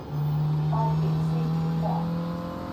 Hai quih cösiictim caha.